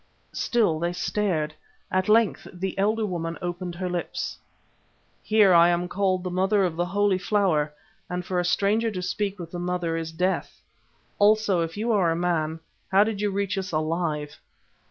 Still they stared. At length the elder woman opened her lips. "Here I am called the Mother of the Holy Flower, and for a stranger to speak with the Mother is death. Also if you are a man, how did you reach us alive?"